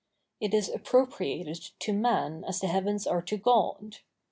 It is appropriated to man as the heavens are to God.